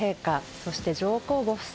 そして上皇ご夫妻